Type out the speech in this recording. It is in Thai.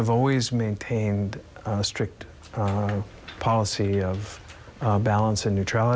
เวทย์ของแต่งการมูลหรือเวทย์เกี่ยวกับการสินค้า